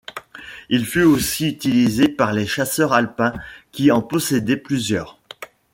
Il fut aussi utilisé par les chasseurs-alpins qui en possédaient plusieurs.